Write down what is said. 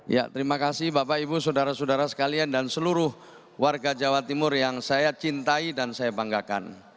ya terima kasih bapak ibu saudara saudara sekalian dan seluruh warga jawa timur yang saya cintai dan saya banggakan